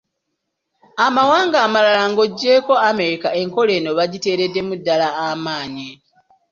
Amawanga amalala ng’oggyeeko Amerika enkola eno bagiteereddemu ddalala amaanyi.